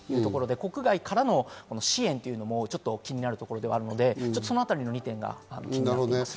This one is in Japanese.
国外からの支援というのも気になるところではあるので、そのあたりが気になります。